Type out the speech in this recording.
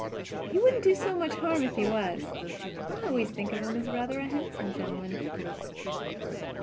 "He wouldn't do so much harm if he was. I always think of him as a rather handsome gentleman."